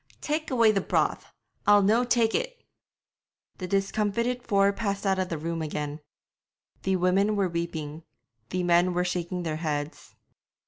'Tak' away the broth; I'll no' tak' it!' The discomfited four passed out of the room again. The women were weeping; the men were shaking their heads.